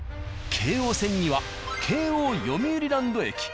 京王線には京王よみうりランド駅。